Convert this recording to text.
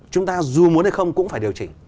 chúng ta dù muốn hay không cũng phải điều chỉnh